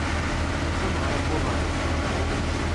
D tameɣra n wuḍrif.